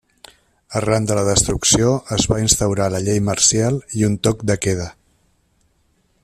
Arran de la destrucció es va instaurar la llei marcial i un toc de queda.